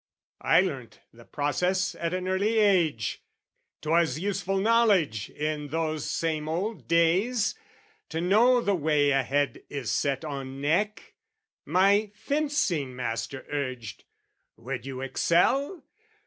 I learnt the process at an early age; 'Twas useful knowledge in those same old days, To know the way a head is set on neck. My fencing master urged "Would you excel?